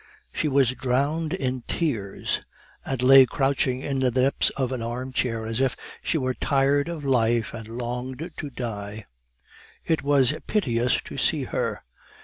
She was drowned in tears, and lay crouching in the depths of an armchair, as if she were tired of life and longed to die. It was piteous to see her.